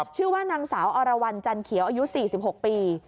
ชื่อว่านางสาวอรวรรณจันเขียวอายุ๔๖ปี